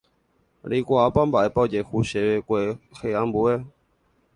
Reikuaápa mba'épa ojehu chéve kueheambue.